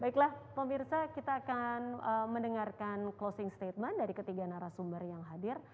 baiklah pemirsa kita akan mendengarkan closing statement dari ketiga narasumber yang hadir